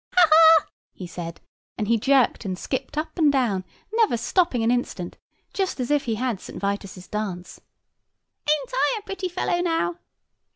"Ha, ha!" he said, and he jerked and skipped up and down, never stopping an instant, just as if he had St. Vitus's dance. "Ain't I a pretty fellow now?"